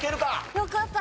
よかった。